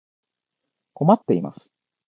困っています。